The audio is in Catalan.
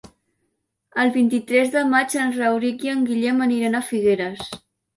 El vint-i-tres de maig en Rauric i en Guillem aniran a Figueres.